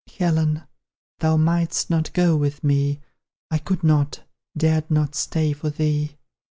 Helen, thou mightst not go with me, I could not dared not stay for thee!